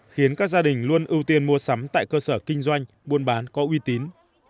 khiến các gia đình luôn ưu tiên mua sắm tại cơ sở kinh doanh buôn bán có uy tín